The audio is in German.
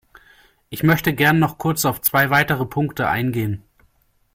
Ich möchte gern noch kurz auf zwei weitere Punkte eingehen.